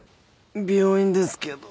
病院ですけど